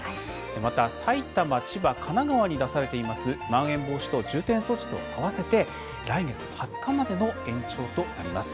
また、埼玉、千葉、神奈川に出されていますまん延防止等重点措置とあわせて来月２０日までの延長となります。